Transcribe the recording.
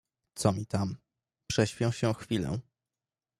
Co mi tam, prześpię się chwilę.